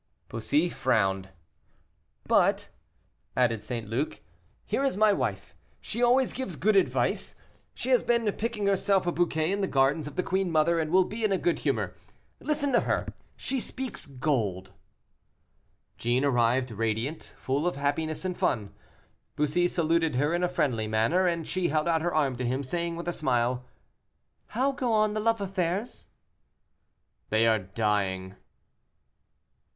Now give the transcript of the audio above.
Bussy frowned. "But," added St. Luc, "here is my wife; she always gives good advice. She has been picking herself a bouquet in the gardens of the queen mother, and will be in a good humor. Listen to her; she speaks gold." Jeanne arrived radiant, full of happiness and fun. Bussy saluted her in a friendly manner, and she held out her hand to him, saying, with a smile, "How go on the love affairs?" "They are dying."